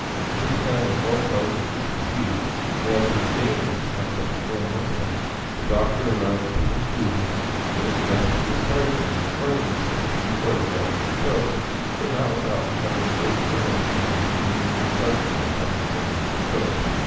As this plan was most likely to succeed, and as it was dangerous to have such men with him, the Doctor arrived at the conclusion that it was best to discharge them, and accordingly sent the Sepoys back to the coast; but not without having first furnished them with the means of subsistence on their journey to the coast.